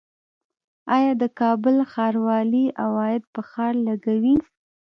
آیا د کابل ښاروالي عواید په ښار لګوي؟